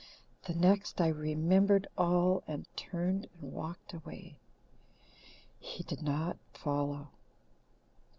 The next, I remembered all, and turned and walked away. He did not follow.